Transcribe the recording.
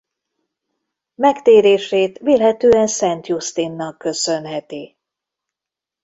Megtérését vélhetően Szent Jusztinnak köszönheti.